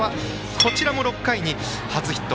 こちらも６回に初ヒット。